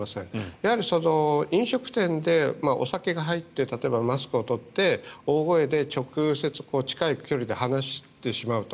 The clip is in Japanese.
やはり、飲食店でお酒が入って例えばマスクを取って大声で直接近い距離で話してしまうと。